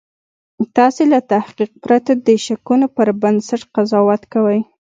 تاسې له تحقیق پرته د شکونو پر بنسټ قضاوت کوئ